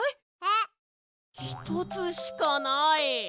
ひとつしかない！